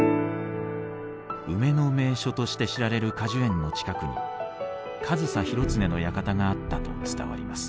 梅の名所として知られる果樹園の近くに上総広常の館があったと伝わります。